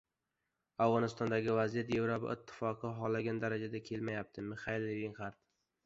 Afg‘onistondagi vaziyat Yevropa Ittifoqi xohlagan darajada ketmayapti - Mixayel Linxart